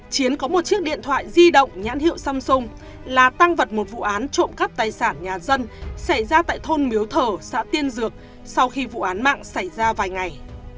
chiến có một chiếc điện thoại di động nhãn hiệu samsung là tăng vật một vụ án trộm cắp tài sản nhà dân xảy ra tại thôn miếu thờ xã tiên dược sau khi vụ án mạng xảy ra vài ngày